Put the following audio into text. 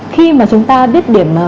khi mà chúng ta biết điểm